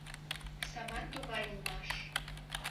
Саман тугай улмаш...